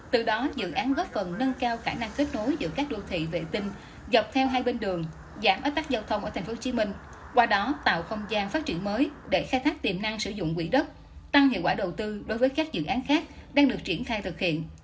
từ đó dự án góp phần nâng cao khả năng kết nối giữa các đô thị vệ tinh dọc theo hai bên đường giảm áp tác giao thông ở thành phố hồ chí minh qua đó tạo không gian phát triển mới để khai thác tiềm năng sử dụng quỹ đất tăng hiệu quả đầu tư đối với các dự án khác đang được triển thai thực hiện